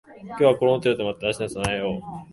今日はこのホテルに泊まって明日に備えよう